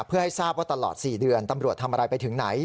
เพื่อให้ทราบว่าตลอด๔เดือนตำรวจทำอะไรไปถึงไหน